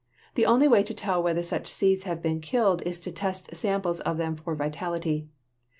The only way to tell whether such seeds have been killed is to test samples of them for vitality.